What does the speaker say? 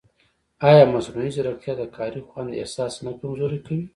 ایا مصنوعي ځیرکتیا د کاري خوند احساس نه کمزورې کوي؟